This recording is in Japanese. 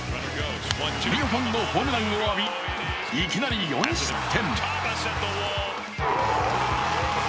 ２本のホームランを浴び、いきなり４失点。